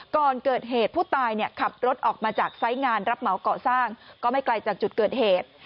ก่อนเกิดเหตุผู้ตายขับรถออกมาจากไซส์งานรับเหมาก่อสร้างก็ไม่ไกลจากจุดเกิดเหตุ